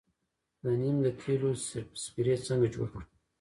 د نیم د تیلو سپری څنګه جوړ کړم؟